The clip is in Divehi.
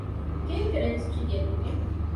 ގޭގެ ރަޖިސްޓްރީ ގެއްލިގެން